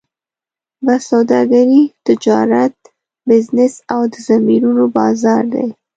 بس سوداګري، تجارت، بزنس او د ضمیرونو بازار دی.